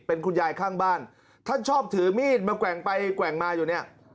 เป็นคุณยายข้างบ้านท่านชอบถือมีดมาแกว่งไปแกว่งมาอยู่เนี่ย